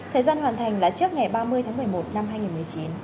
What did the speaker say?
thời gian hoàn thành là trước ngày ba mươi tháng một mươi một năm hai nghìn một mươi chín